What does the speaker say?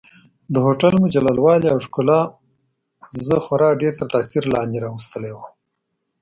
د هوټل مجلل والي او ښکلا ما خورا ډېر تر تاثیر لاندې راوستلی وم.